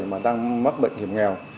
mà đang mắc bệnh hiểm nghèo